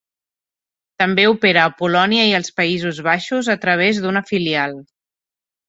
També opera a Polònia i als Països Baixos a través d'una filial.